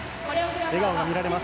笑顔が見られます。